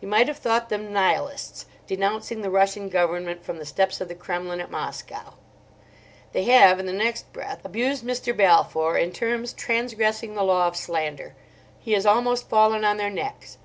You might have thought them Nihilists denouncing the Russian Government from the steps of the Kremlin at Moscow. They have, in the next breath, abused Mr. Balfour in terms transgressing the law of slander. He has almost fallen on their necks.